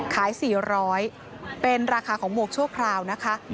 ขาย๔๐๐เป็นราคาของหมวกชั่วคราวนะคะ